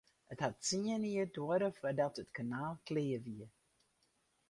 It hat tsien jier duorre foardat it kanaal klear wie.